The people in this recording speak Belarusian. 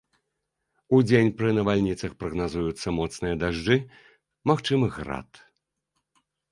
Удзень пры навальніцах прагназуюцца моцныя дажджы, магчымы град.